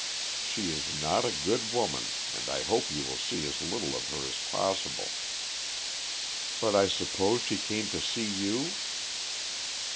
She is not a good woman, and I hope you will see as little of her as possible." "But I suppose she came to see you?"